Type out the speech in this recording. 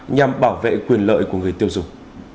nhằm bảo vệ quyền lợi của người tiêu dụng